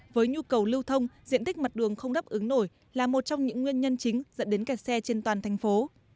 với nhu cầu lưu thông diện tích mặt đường không đáp ứng nổi là một trong những nguyên nhân chính dẫn đến kẹt xe trên toàn thành phố